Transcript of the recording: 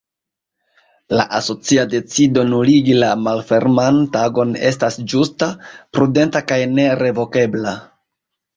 La asocia decido nuligi la Malferman Tagon estas ĝusta, prudenta kaj ne-revokebla.